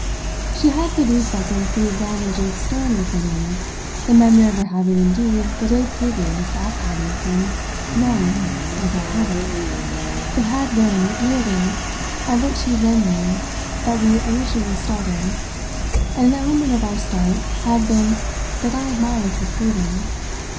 She had for these seconds the advantage of stirring within me the memory of her having indeed, the day previous, at Paddington, "known" as I hadn't. It had been really on what she then knew that we originally started, and an element of our start had been that I admired her freedom.